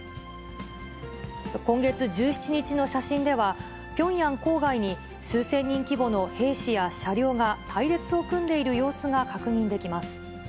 今月１７日の写真では、ピョンヤン郊外に数千人規模の兵士や車両が隊列を組んでいる様子が確認できます。